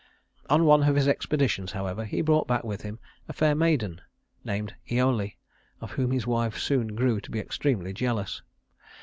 On one of his expeditions, however, he brought back with him a fair maiden named Iole, of whom his wife soon grew to be extremely jealous.